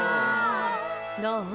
どう？